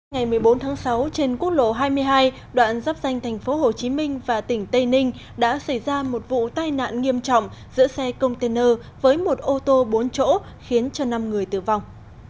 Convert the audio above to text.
ngày một mươi bốn tháng sáu trên quốc lộ hai mươi hai đoạn dắp danh thành phố hồ chí minh và tỉnh tây ninh đã xảy ra một vụ tai nạn nghiêm trọng giữa xe container với một ô tô bốn chỗ khiến cho năm người tử vong